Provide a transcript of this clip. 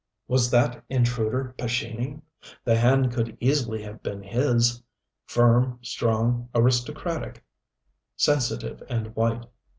Was that intruder Pescini? The hand could easily have been his firm, strong, aristocratic, sensitive and white.